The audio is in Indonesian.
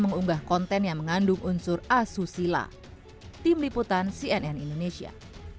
mengunggah konten yang mengandung unsur asusila tim liputan cnn indonesia